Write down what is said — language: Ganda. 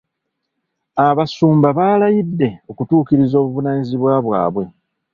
Abasumba baalayidde okutuukiriza obuvunaanyizibwa bwabwe.